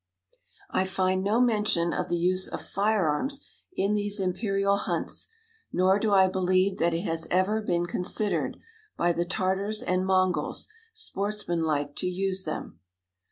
I find no mention of the use of firearms in these imperial hunts, nor do I believe that it has ever been considered, by the Tartars and Mongols, sportsmanlike to use them.